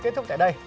kết thúc tại đây